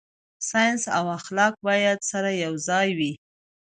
ساينس او اخلاق باید سره یوځای وي.